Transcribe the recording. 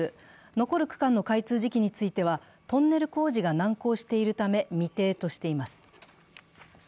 残る区間の開通時期については、トンネル工事が難航しているため未定としています。